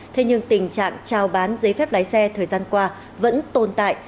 thế nhưng tình trạng trao bán giấy phép lái xe thời gian qua vẫn tồn tại